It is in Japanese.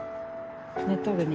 寝とるね。